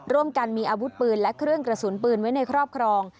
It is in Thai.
ร่วมกันมีอาวุธปืนและเครื่องกระสุนปืนไว้ในครอบครอง